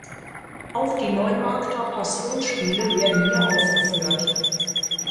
Auch die Neumarkter Passionsspiele werden hier aufgeführt.